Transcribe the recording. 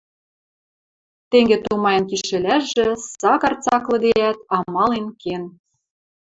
Тенге тумаен кишӹлӓжӹ, Сакар цаклыдеӓт, амален кен.